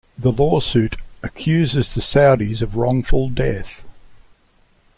The lawsuit accuses the Saudis of wrongful death.